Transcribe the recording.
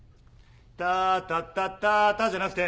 「タータッタッタータ」じゃなくて。